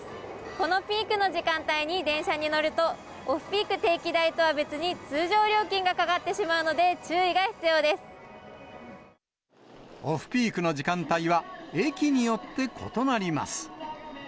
このピークの時間帯に電車に乗ると、オフピーク定期代とは別に通常料金がかかってしまうので、注意がオフピークの時間帯は、駅によって異なります。